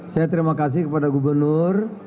saya terima kasih kepada gubernur